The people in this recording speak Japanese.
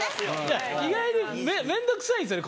意外に面倒くさいんですよね